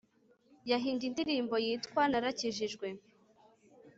yahimbye indirimbo yitwa narakijijwe